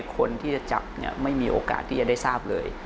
คนที่จะจับไม่มีโอกาสที่จะได้ทราบเลย